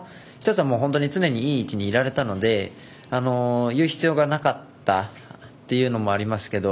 それは、１つは本当に常にいい位置にいられたので言う必要がなかったというのもありますけど